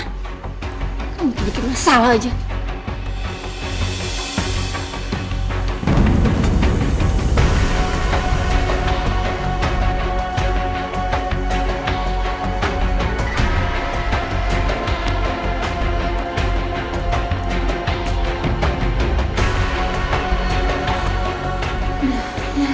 kamu bikin masalah saja